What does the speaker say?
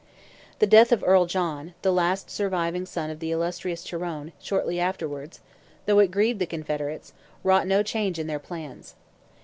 The death of Earl John, the last surviving son of the illustrious Tyrone, shortly afterwards, though it grieved the Confederates, wrought no change in their plans.